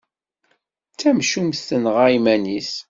D tamcumt tenɣa iman-is.